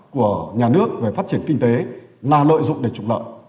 của nhà nước về phát triển kinh tế là lợi dụng để trục lợi